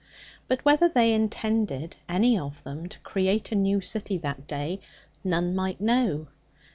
But whether they intended, any of them, to create a new city that day, none might know.